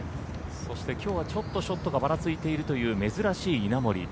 そしてきょうはちょっとショットがばらついているという珍しい稲森。